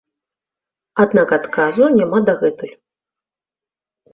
Аднак адказу няма дагэтуль.